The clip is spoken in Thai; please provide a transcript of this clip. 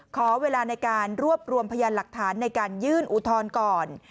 ขอเวลาในการรวบรวมพยานหลักฐานในการยื่นอุทธรณ์ก่อน